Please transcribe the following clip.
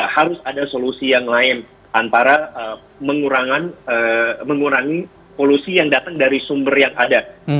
harus ada solusi yang lain antara mengurangi polusi yang datang dari sumber yang ada